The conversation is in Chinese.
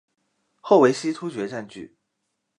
后为西突厥占据。